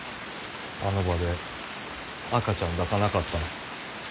あの場で赤ちゃんを抱かなかったの。